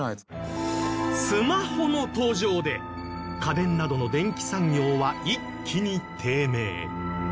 スマホの登場で家電などの電機産業は一気に低迷